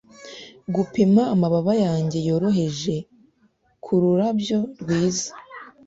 gupima amababa yanjye yoroheje kururabyo rwiza